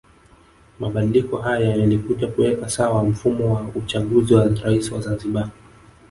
Mabadiliko haya yalikuja kuweka sawa mfumo wa uchaguzi wa Rais wa Zanzibar